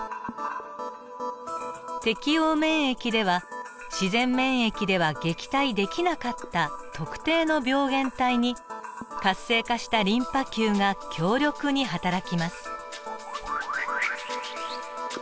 適応免疫では自然免疫では撃退できなかった特定の病原体に活性化したリンパ球が強力にはたらきます。